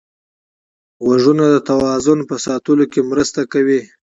غوږونه د توازن په ساتلو کې مرسته کوي